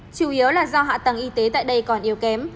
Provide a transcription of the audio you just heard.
chủ yếu là do hạ tầng y tế tại đây còn yếu kém